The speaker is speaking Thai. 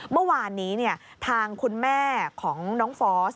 เมื่อวานนี้ทางคุณแม่ของน้องฟอส